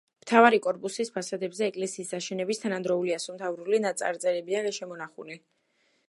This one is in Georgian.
მთავარი კორპუსის ფასადებზე ეკლესიის აშენების თანადროული ასომთავრული წარწერებია შემონახული.